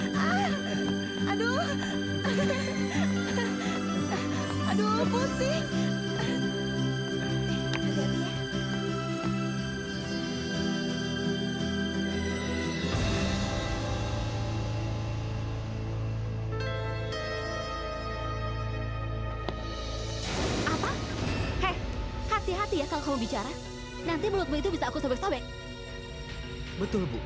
saya akan membuatkan minuman